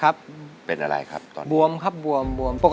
รายการต่อไปนี้เป็นรายการทั่วไปสามารถรับชมได้ทุกวัย